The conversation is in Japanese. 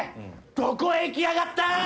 どこへ行きやがったー！